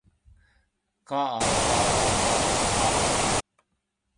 かあかあかあか